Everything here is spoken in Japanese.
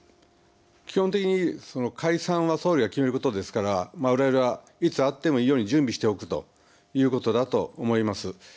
基本的に解散は総理が決めることですからわれわれはいつあってもいいように準備をしておくことだと思います。